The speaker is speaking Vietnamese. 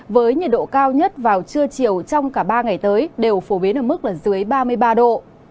với nhiệt độ cao nhất vào trưa chiều trong cả ba ngày tới đều phổ biến ở mức là dưới ba mươi ba độ